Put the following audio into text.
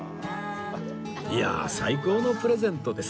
いやあ最高のプレゼントです